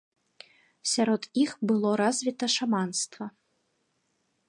Сярод іх было развіта шаманства.